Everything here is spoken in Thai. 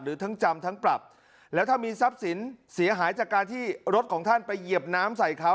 ทั้งจำทั้งปรับแล้วถ้ามีทรัพย์สินเสียหายจากการที่รถของท่านไปเหยียบน้ำใส่เขา